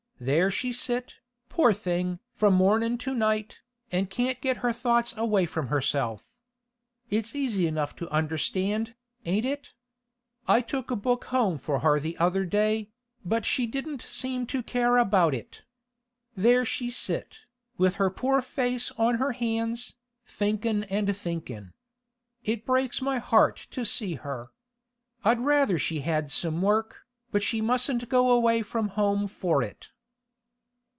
There she sit, poor thing! from mornin' to night, an' can't get her thoughts away from herself. It's easy enough to understand, ain't it? I took a book home for her the other day, but she didn't seem to care about it. There she sit, with her poor face on her hands, thinkin' and thinkin'. It breaks my heart to see her. I'd rather she had some work, but she mustn't go away from home for it.